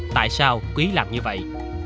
tại sao quý làm như vậy